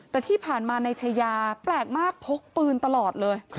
แต่ที่ผ่านมานายชายาแปลกมากพกปืนตลอดเลย